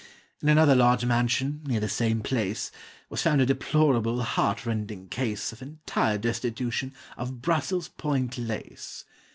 In another large mansion, near the same place, Was found a deplorable, heart rending case Of entire destitution of Brussels point lace.